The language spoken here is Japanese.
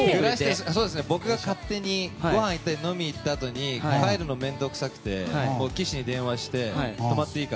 僕が勝手にごはん行ったり飲みに行ったあとに帰るのが面倒くさくて岸に電話して泊まっていいか？